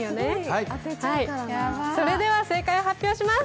それでは正解発表します。